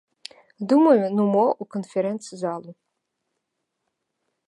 Думаю, ну мо ў канферэнц-залу.